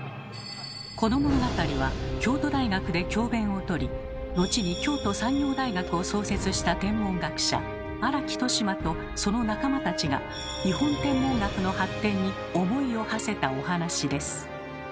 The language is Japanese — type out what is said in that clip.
この物語は京都大学で教べんを執り後に京都産業大学を創設した天文学者荒木俊馬とその仲間たちが日本天文学の発展に思いをはせたお話です。